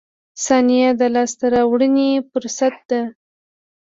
• ثانیه د لاسته راوړنې فرصت ده.